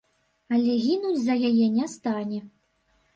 Але гінуць за яе не стане.